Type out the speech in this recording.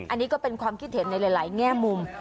อันนี้ก็เป็นความคิดเห็นในหลายแง่มุม